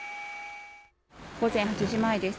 午前８時前です。